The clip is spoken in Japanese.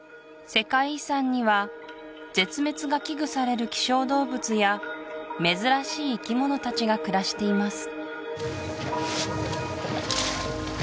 世界遺産には絶滅が危惧される希少動物や珍しい生き物たちが暮らしています